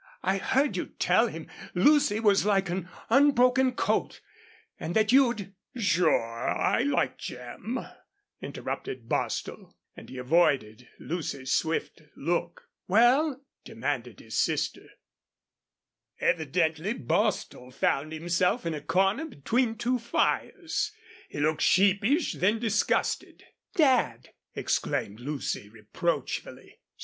I heard you tell him Lucy was like an unbroken colt and that you'd " "Sure, I like Jim," interrupted Bostil; and he avoided Lucy's swift look. "Well?" demanded his sister. Evidently Bostil found himself in a corner between two fires. He looked sheepish, then disgusted. "Dad!" exclaimed Lucy, reproachfully.